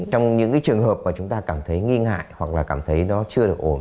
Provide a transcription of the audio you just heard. trong những cái trường hợp mà chúng ta cảm thấy nghi ngại hoặc là cảm thấy nó chưa được ổn